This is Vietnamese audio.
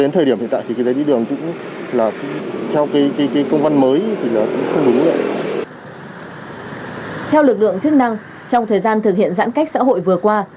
theo lực lượng chức năng trong thời gian thực hiện giãn cách xã hội vừa qua